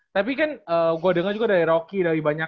tapi kan gue denger juga dari rocky